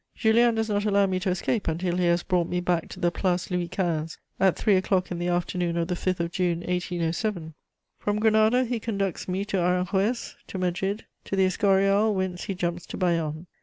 Julien does not allow me to escape until he has brought me back to the Place Louis XV. at three o'clock in the afternoon of the 5th of June 1807. From Granada he conducts me to Aranjuez, to Madrid, to the Escurial, whence he jumps to Bayonne.